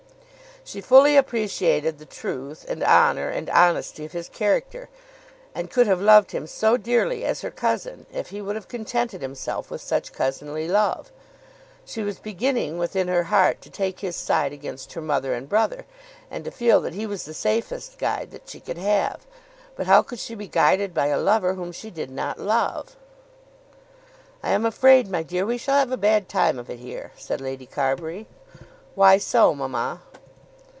She fully appreciated the truth, and honour, and honesty of his character, and could have loved him so dearly as her cousin if he would have contented himself with such cousinly love! She was beginning, within her heart, to take his side against her mother and brother, and to feel that he was the safest guide that she could have. But how could she be guided by a lover whom she did not love? "I am afraid, my dear, we shall have a bad time of it here," said Lady Carbury. "Why so, mamma?"